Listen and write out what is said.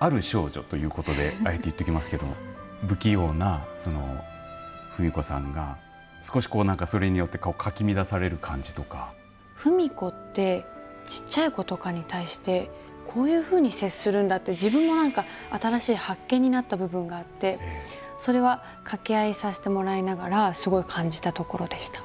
ある少女ということであえて言っておきますけれども不器用な史子さんが少し、それによって史子って小さい子とかに対してこういうふうに接するんだって自分も新しい発見になった部分もあってそれは掛け合いさせてもらいながらすごい感じたところでした。